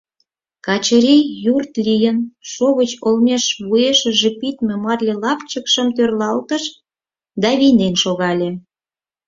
Качырий, юрт лийын, шовыч олмеш вуешыже пидме марле лапчыкым тӧрлатыш да вийнен шогале.